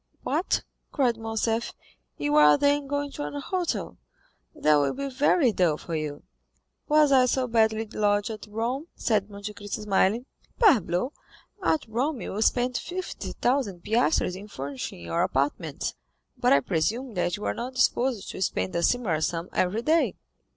"What," cried Morcerf; "you are, then, going to a hotel—that will be very dull for you." "Was I so badly lodged at Rome?" said Monte Cristo smiling. "Parbleu! at Rome you spent fifty thousand piastres in furnishing your apartments, but I presume that you are not disposed to spend a similar sum every day."